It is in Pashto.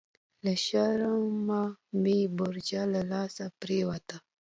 لهٔ شرمه مې برچه لهٔ لاسه پریوته… »